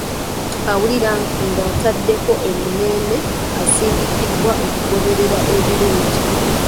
Awulira ng'ataddeko emmeeme asindikibwa okugoberera ebirungi.